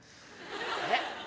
えっ？